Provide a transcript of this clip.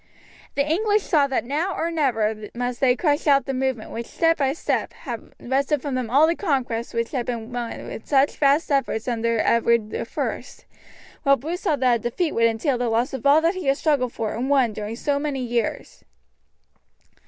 The English saw that now or never must they crush out the movement which, step by step, had wrested from them all the conquests which had been won with such vast effort under Edward I; while Bruce saw that a defeat would entail the loss of all that he had struggled for and won during so many years.